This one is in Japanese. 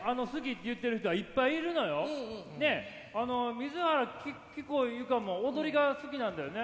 水原希子佑果も踊りが好きなんだよね？